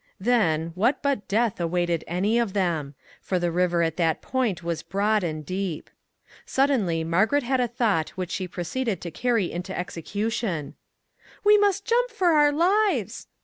Then, what but death awaited any of them? For the river at that point was broad and deep. Suddenly Mar garet had a thought which she proceeded to carry into execution: " We must jump for our lives